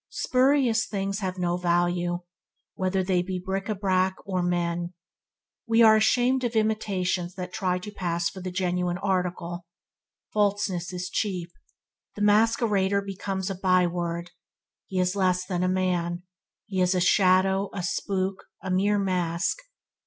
Spurious things have no value, whether they be bric a brac or men. We are ashamed of imitations that try to pass for the genuine article. Falseness is cheap. The masquerader becomes a byword; he is less than a man; he is a shadow, a spook, a mere mask.